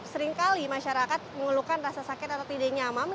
seringkali masyarakat mengeluhkan rasa sakit atau tidak nyaman